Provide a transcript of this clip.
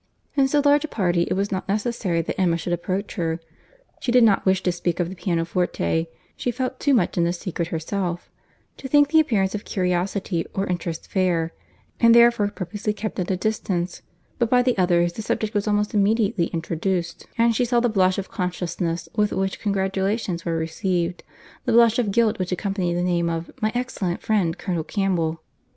In so large a party it was not necessary that Emma should approach her. She did not wish to speak of the pianoforte, she felt too much in the secret herself, to think the appearance of curiosity or interest fair, and therefore purposely kept at a distance; but by the others, the subject was almost immediately introduced, and she saw the blush of consciousness with which congratulations were received, the blush of guilt which accompanied the name of "my excellent friend Colonel Campbell."